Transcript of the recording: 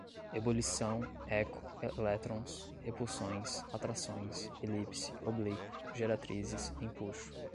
ebulição, eco, elétrons, repulsões, atrações, elipse, oblíquo, geratrizes, empuxo